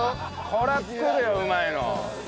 これは作るようまいの。